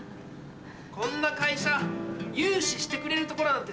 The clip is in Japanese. こんな会社融資してくれる所なんて